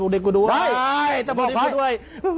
อืออ้อยอุ๊ย